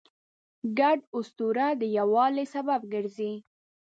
ګډ اسطوره د یووالي سبب ګرځي.